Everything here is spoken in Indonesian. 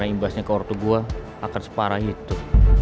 karena imbasnya ke ortu gue akan separah itu